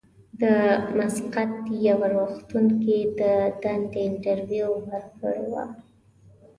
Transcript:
د مسقط یوه روغتون کې یې د دندې انټرویو ورکړې وه.